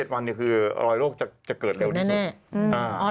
๗วันคือรอยโรคจะเกิดเร็วที่สุด